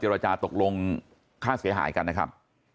ราจาตกลงค่าเสียหายกันนะครับ